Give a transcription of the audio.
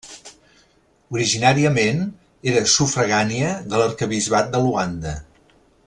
Originàriament era sufragània de l'arquebisbat de Luanda.